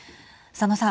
佐野さん。